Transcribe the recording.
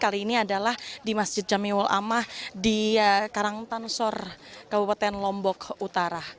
kali ini adalah di masjid jamiul amah di karangtansor kabupaten lombok utara